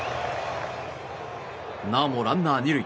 なおもランナー２塁。